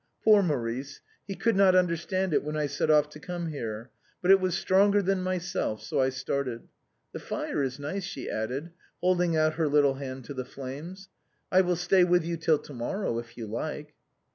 Poor Maurice, he could not understand it when I set off to come here, but it was stronger than myself, so I started. The fire is nice," she added, holding out her little hand to the flames, " I will stay with you till to morrow if you like."